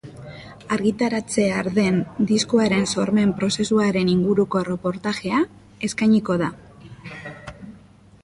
Argitaratzear den diskoaren sormen prozesuaren inguruko erreportajea eskainiko da.